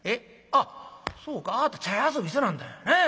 あっそうかあぁた茶屋遊びしてなんだねえ。